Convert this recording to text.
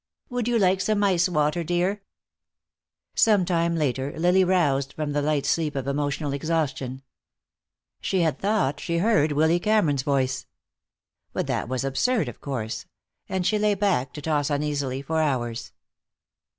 "Would you like some ice water, dear?" Some time later Lily roused from the light sleep of emotional exhaustion. She had thought she heard Willy Cameron's voice. But that was absurd, of course, and she lay back to toss uneasily for hours.